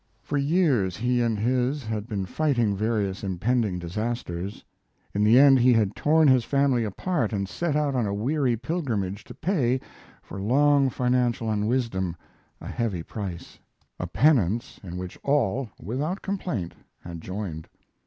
For years he and his had been fighting various impending disasters. In the end he had torn his family apart and set out on a weary pilgrimage to pay, for long financial unwisdom, a heavy price a penance in which all, without complaint, had joined.